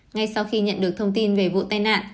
ngay sau khi nhận được thông tin về vụ tai nạn